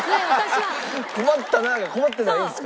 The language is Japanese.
「困ったな」が困ってないんですか？